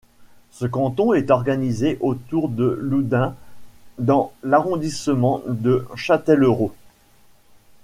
Ce canton est organisé autour de Loudun dans l'arrondissement de Châtellerault.